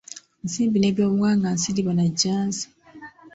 Nsimbi n’ebyobuwangwa nsiriba na jjanzi.